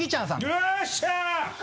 よっしゃ！